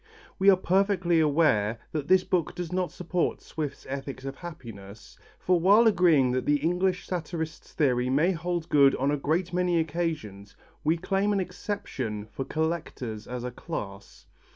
We are perfectly aware that this book does not support Swift's ethics of happiness, for while agreeing that the English satirist's theory may hold good on a great many occasions, we claim an exception for collectors as a class.